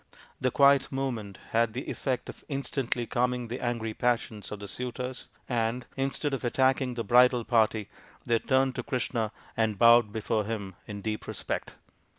The quiet movement had the effect of instantly calming the angry passions of the suitors, and, instead of attacking the bridal party, they turned to Krishna and bowed before him in deep respect.